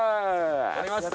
取りました。